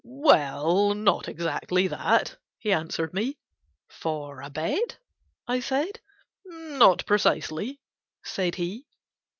"Well, not exactly that," he answered me. "For a bet?" I said. "Not precisely," said he.